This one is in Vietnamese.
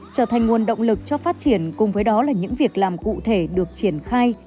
trở thành nguồn động lực cho phát triển cùng với đó là những việc làm cụ thể được triển khai